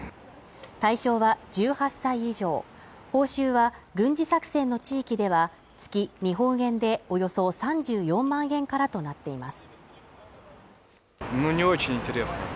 対象は１８歳以上、報酬は、軍事作戦の地域では月日本円でおよそ３４万円からとなっています。